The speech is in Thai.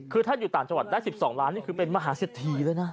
คือถ้าอยู่ต่างจังหวัดได้๑๒ล้านนี่คือเป็นมหาเศรษฐีเลยนะ